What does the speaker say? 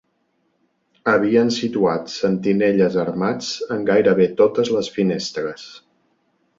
Havien situat sentinelles armats en gairebé totes les finestres